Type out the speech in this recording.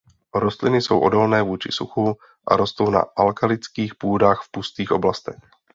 Rostliny jsou odolné vůči suchu a rostou na alkalických půdách v pustých oblastech.